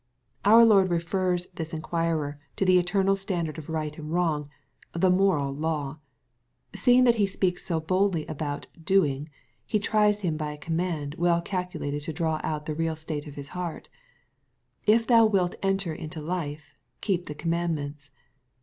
Our Lord refers this inquirer to the eternal standard of right and wrong, the moral law. Seeing that he speaks so boldly about " doing," he tries him by a command well calculated to draw out the real state of his heart, " If thou wilt enter into life, keep the commandments."